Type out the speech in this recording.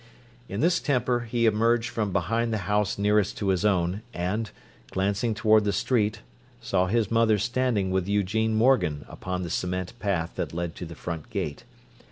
In this temper he emerged from behind the house nearest to his own, and, glancing toward the street, saw his mother standing with Eugene Morgan upon the cement path that led to the front gate.